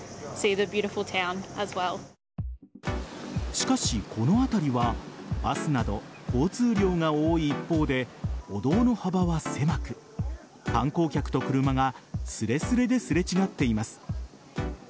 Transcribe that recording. しかし、この辺りはバスなど交通量が多い一方で歩道の幅は狭く観光客と車がすれすれですれ違っています。